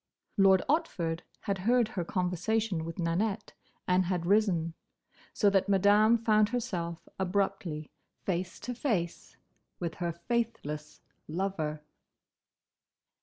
Lord Otford had heard her conversation with Nanette, and had risen; so that Madame found herself abruptly face to face with her faithless lover.